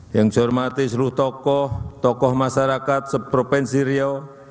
yang saya hormati seluruh tokoh tokoh masyarakat se provence rio